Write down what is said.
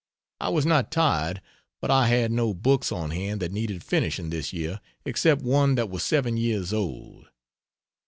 I was not tired, but I had no books on hand that needed finishing this year except one that was seven years old.